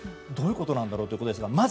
どういうことなのだろうということですが